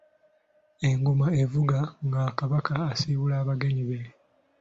Engoma evuga nga Kabaka asiibula abagenyi be.